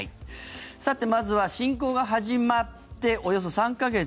さて、まずは侵攻が始まっておよそ３か月。